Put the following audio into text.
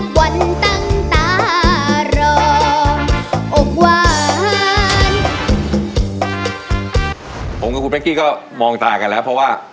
ผมกับคุณเป๊กกี้ก็มองตากันแล้วเพราะว่า